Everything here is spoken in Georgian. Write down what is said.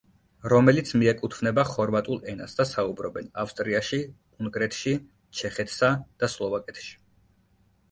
რომელიც მიეკუთვნება ხორვატულ ენას და საუბრობენ: ავსტრიაში, უნგრეთში, ჩეხეთსა და სლოვაკეთში.